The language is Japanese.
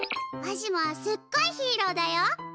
わしもはすっごいヒーローだよ！